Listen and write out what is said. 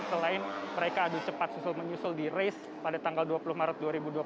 selain mereka adu cepat susul menyusul di race pada tanggal dua puluh maret dua ribu dua puluh